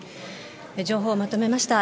情報をまとめました。